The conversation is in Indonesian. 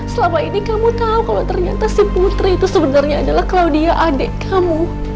selama ini kamu tahu kalau ternyata si putri itu sebenarnya adalah kalau dia adik kamu